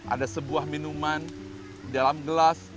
ada sebuah minuman dalam gelas